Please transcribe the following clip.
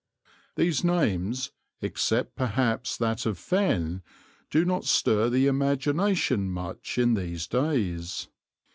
These names, except perhaps that of Fenn, do not stir the imagination much in these days.